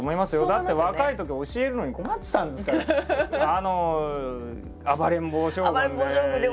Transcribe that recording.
だって若いとき教えるのに困ってたんですから暴れん坊将軍で。